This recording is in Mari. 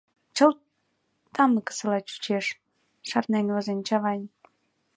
Чылт тамыкысыла чучеш», — шарнен возен Чавайн.